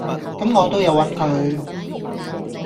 咁我都有搵佢